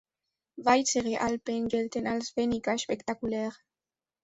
Weitere Alben gelten als weniger spektakulär.